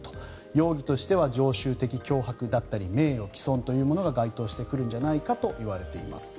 容疑としては常習的脅迫だったり名誉毀損というものが該当してくるんじゃないかといわれています。